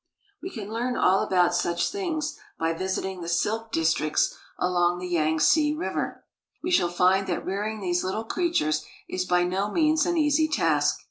We can learn all about such things by visiting the silk 1 68 INDUSTRIAL CHINA districts along the Yangtze River. We shall find that rearing these little creatures is by no means an easy task.